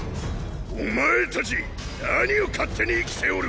お前たち何を勝手に生きておる！